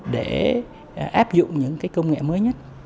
để áp dụng những cái công nghệ mới nhất